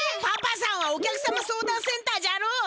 パパさんはお客様相談センターじゃろ！